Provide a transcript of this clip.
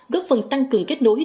góp phần tăng cường kết nối